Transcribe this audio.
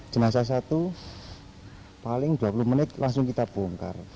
jenazah satu paling dua puluh menit langsung kita bongkar